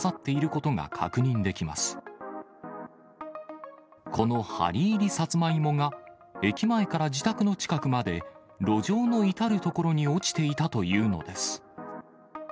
この針入りさつまいもが駅前から自宅の近くまで、路上の至る所に落ちていたというのです。